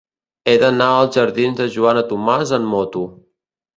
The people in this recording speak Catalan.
He d'anar als jardins de Joana Tomàs amb moto.